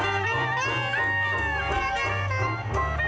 เพลงที่๑๐ทรงโปรด